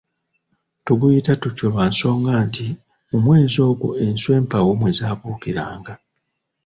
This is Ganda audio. Tuguyita tutyo lwa nsonga nti mu mwezi ogwo enswa empawu mwe zaabuukiranga.